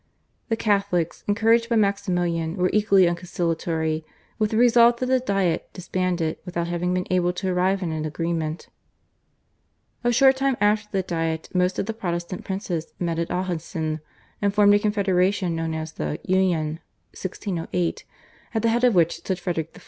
The Catholics, encouraged by Maximilian, were equally unconciliatory, with the result that the Diet disbanded without having been able to arrive at an agreement. A short time after the Diet most of the Protestant princes met at Ahausen and formed a confederation known as the /Union/ (1608) at the head of which stood Frederick IV.